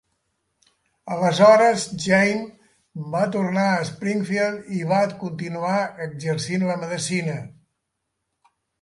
Aleshores Jayne va tornar a Springfield i va continuar exercint la medicina.